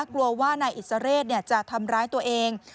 กลัวว่านายอิสระเรศจะทำร้ายตัวเอง